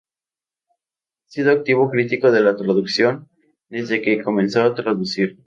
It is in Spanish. Ha sido un activo crítico de la traducción desde que comenzó a traducir.